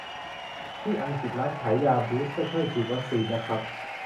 ที่อังกฤษ ร้านขายยาบูตส์ก็ช่วยฉีดวัคซีนนะครับ